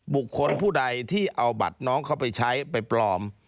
บุคคลผู้ใดที่เอาบัตรน้องเขาไปใช้ไปปลอม